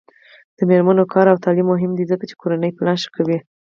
د میرمنو کار او تعلیم مهم دی ځکه چې کورنۍ پلان ښه کوي.